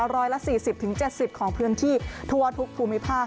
ร้อยละ๔๐๗๐ของพื้นที่ทั่วทุกภูมิภาค